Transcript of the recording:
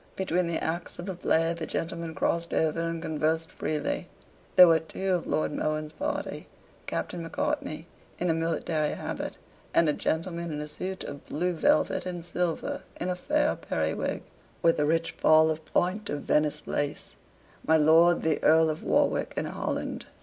Between the acts of the play the gentlemen crossed over and conversed freely. There were two of Lord Mohun's party, Captain Macartney, in a military habit, and a gentleman in a suit of blue velvet and silver in a fair periwig, with a rich fall of point of Venice lace my Lord the Earl of Warwick and Holland.